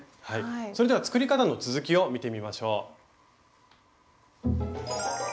それでは作り方の続きを見てみましょう。